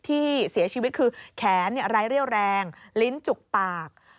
ที่เสียชีวิตคือแขนไร้เรี่ยวแรงลิ้นจุกปาก